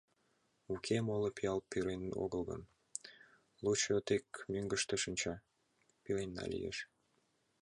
Уке, моло пиал пӱрен огыл гын, лучо тек мӧҥгыштӧ шинча, пеленна лиеш.